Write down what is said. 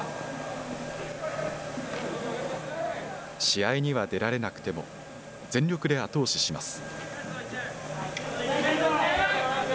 試合には出られなくても、全力で後押しします。